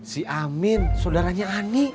si amin saudaranya ani